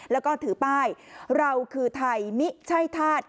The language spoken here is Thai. แล้วก็ถือป้ายเราคือไทยมิใช่ธาตุ